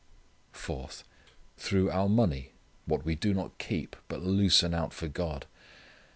Fourth: through our money, what we do not keep, but loosen out for God.